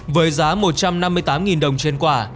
với giá một trăm năm mươi tám đồng trên quả